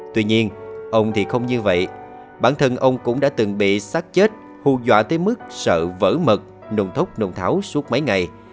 tuy nhiên ông thì không như vậy bản thân ông cũng đã từng bị sát chết hù dọa tới mức sợ vỡ mực thốc nồng tháo suốt mấy ngày